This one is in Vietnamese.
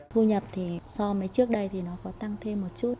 thu nhập thì so với trước đây thì nó có tăng thêm một chút